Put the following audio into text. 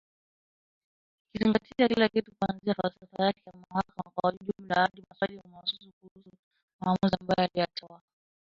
ikizingatia kila kitu kuanzia falsafa yake ya mahakama kwa ujumla hadi maswali mahususi kuhusu maamuzi ambayo aliyatoa